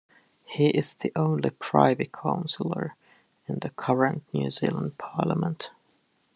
He is the only Privy Councillor in the current New Zealand parliament.